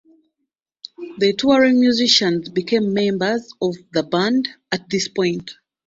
The touring musicians became members of the band at this point.